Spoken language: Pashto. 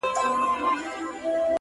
وه ه سم شاعر دي اموخته کړم؛